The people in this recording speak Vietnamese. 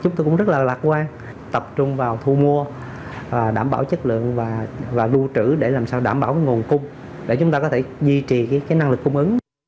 chúng tôi cũng rất là lạc quan tập trung vào thu mua đảm bảo chất lượng và lưu trữ để làm sao đảm bảo nguồn cung để chúng ta có thể duy trì cái năng lực cung ứng